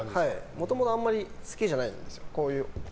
もともと好きじゃないんですよ。